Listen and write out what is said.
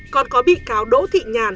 còn có bị cáo đỗ tội